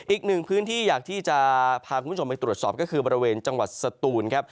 อีกหนึ่งพื้นที่อยากที่จะพาคุณผู้ชมไปตรวจสอบก็คือบริเวณจังหวัดสตูนครับ